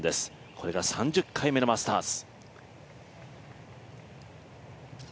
これが３０回目のマスターズ。